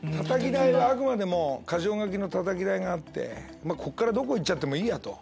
あくまでも箇条書きのたたき台があってこっからどこ行っちゃってもいいや！と。